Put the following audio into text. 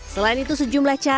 selain itu sejumlah cahaya